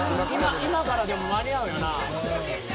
今からでも間に合うよな。